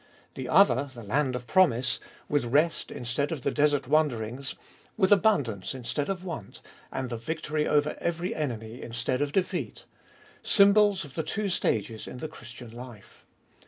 The other, the land of promise, with rest instead of the desert wander ings, with abundance instead of want, and the victory over every enemy instead of defeat: symbols of the two stages in the Christian life.